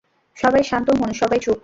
সবাই শান্ত হোন সবাই চুপ!